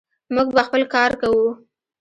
موږ به خپل کار کوو.